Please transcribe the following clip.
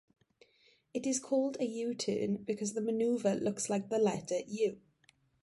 It is called a "U-turn" because the maneuver looks like the letter U.